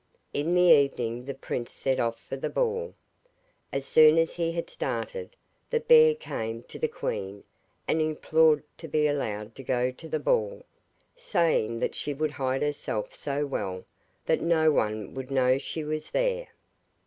In the evening the prince set off for the ball. As soon as he had started, the bear came to the queen and implored to be allowed to go to the ball, saying that she would hide herself so well that no one would know she was there.